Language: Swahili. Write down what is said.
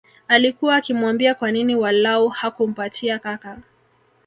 Alikua akimwambia kwa nini walau hakumpatia kaka